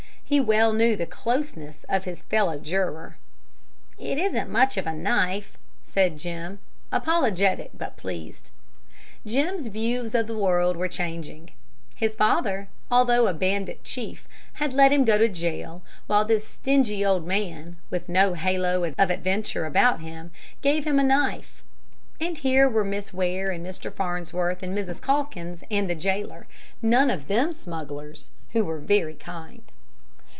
He well knew the "closeness" of his fellow juror. "It isn't much of a knife," said Jim, apologetic but pleased. Jim's views of the world were changing: his father, although a bandit chief, had let him go to jail, while this stingy old man, with no halo of adventure about him, gave him a knife; and here were Miss Ware and Mr. Farnsworth and Mrs. Calkins and the jailer, none of them smugglers, who were very kind.